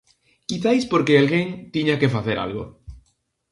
Quizais porque alguén tiña que facer algo.